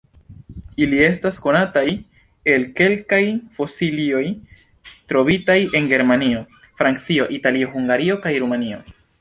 Ili estas konataj el kelkaj fosilioj trovitaj en Germanio, Francio, Italio, Hungario kaj Rumanio.